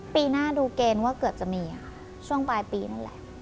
ปีหน้าดูเกณฑ์ว่าเกือบจะมีค่ะช่วงปลายปีนั่นแหละ